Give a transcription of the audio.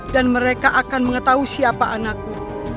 dan mereka akan mengetahui siapa anakku